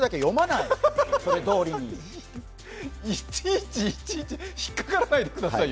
いちいちいちいち引っかからないでくださいよ！